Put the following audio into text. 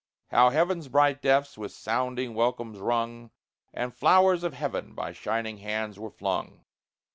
How heaven's bright depths with sounding welcomes rung, And flowers of heaven by shining hands were flung!